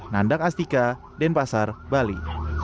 nandak astika denpasar bali